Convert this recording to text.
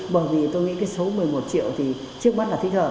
bởi vì tôi nghĩ cái số một mươi một triệu thì trước mắt là thích hợp